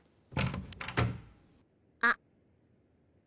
あっ。